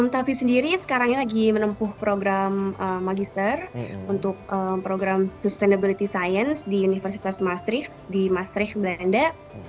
tavi sendiri sekarang ini lagi menempuh program magister untuk program sustainability science di universitas mastricht di mastricht belanda